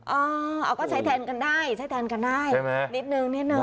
เออเอาก็ใช้แทนกันได้ใช้แทนกันได้ใช่ไหมนิดนึงนิดนึ